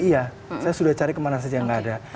iya saya sudah cari kemana saja yang gak ada